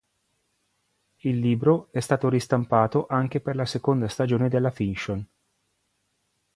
Il libro è stato ristampato anche per la seconda stagione della fiction.